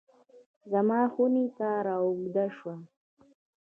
زما خونې ته رااوږده شوه